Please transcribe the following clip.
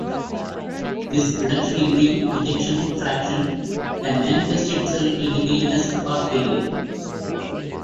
This reduction in the ejection fraction can manifest itself clinically as heart failure.